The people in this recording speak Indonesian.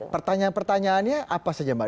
pertanyaan pertanyaannya apa saja mbak